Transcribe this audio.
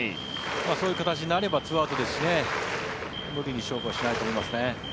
そういう形になれば２アウトですし無理に勝負はしないと思いますね。